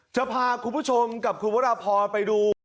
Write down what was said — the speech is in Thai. จะพาคุณผู้ชมกับคุณวรพรไปดู